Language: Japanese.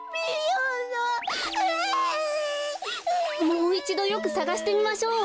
もういちどよくさがしてみましょう。